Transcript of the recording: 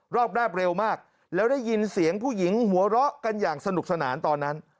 รอบแรกเร็วมากแล้วได้ยินเสียงผู้หญิงหัวเราะกันอย่างสนุกสนานตอนนั้น